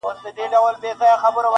جنتونه یې نصیب کي لویه ربه ,